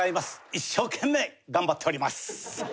一生懸命頑張っております。